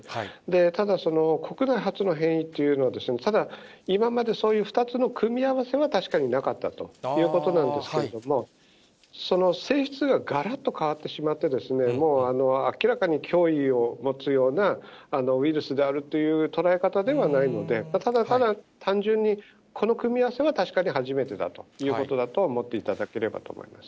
ただ、その、国内初の変異というのは、ただ、今までそういう２つの組み合わせは確かになかったということなんですけれども、その性質ががらっと変わってしまって、もう明らかに脅威を持つようなウイルスであるという捉え方ではないので、ただ単純に、この組み合わせは確かに初めてだということだと思っていただければと思います。